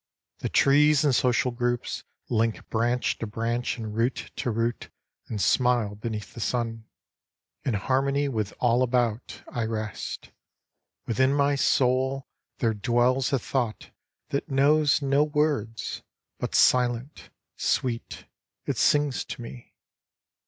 The trees in social groups, link branch to branch And root to root and smile beneath the sun. In harmony with all about I rest. Within my soul there dwells a thought that knows No words, but silent, sweet, it sings to me.